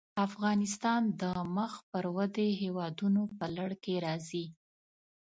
افغانستان د مخ پر ودې هېوادونو په لړ کې راځي.